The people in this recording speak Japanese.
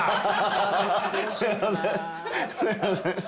すいません。